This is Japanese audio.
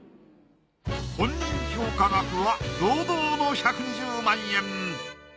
本人評価額は堂々の１２０万円。